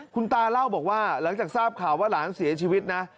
คุณตาเล่าบอกว่าหลังจากทราบข่าวว่าหลานเสียชีวิตนะ